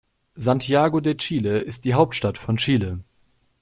Santiago de Chile ist die Hauptstadt von Chile.